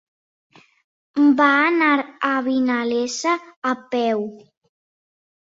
Va anar a Vinalesa a peu.